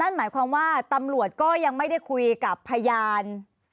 หมายความว่าตำรวจก็ยังไม่ได้คุยกับพยาน